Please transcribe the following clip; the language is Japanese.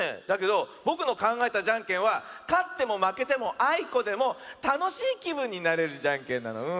だけどぼくのかんがえたじゃんけんはかってもまけてもあいこでもたのしいきぶんになれるじゃんけんなの。